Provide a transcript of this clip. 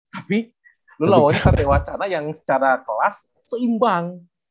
tapi lu lawan satewacana yang secara kelas seimbang